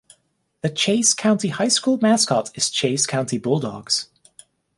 The Chase County High School mascot is Chase County Bulldogs.